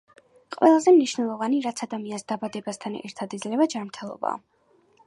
ყველაზე მნიშვნელოვანი, რაც ადამიანს დაბადებასთან ერთად ეძლევა, ჯანმრთელობაა.